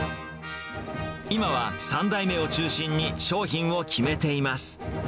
今は３代目を中心に、商品を決めています。